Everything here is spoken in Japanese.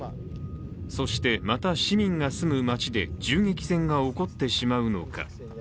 そしてまた市民が住む町で銃撃戦が起こってしまうのか。